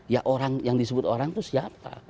ya orang yang disebut orang itu siapa